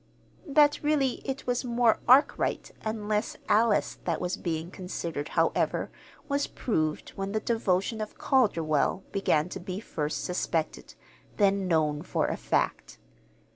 That really it was more Arkwright and less Alice that was being considered, however, was proved when the devotion of Calderwell began to be first suspected, then known for a fact.